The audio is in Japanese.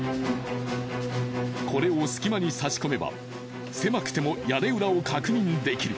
これを隙間に差し込めば狭くても屋根裏を確認できる。